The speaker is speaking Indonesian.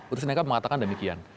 utusan mk mengatakan demikian